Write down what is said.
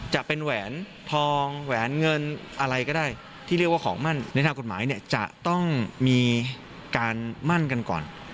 จะเป็นแหวนทองแหวนเงินอะไรก็ได้ที่เรียกว่าของมั่นในทางกฎหมายเนี่ยจะต้องมีการมั่นกันก่อน